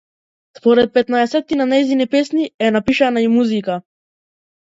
Според петнаесетина нејзини песни е напишана и музика.